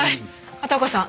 片岡さん